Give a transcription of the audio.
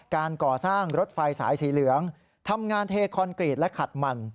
การก่อสร้างรถไฟสายสีเหลืองทำงานเทคอนกรีตและขัดมัน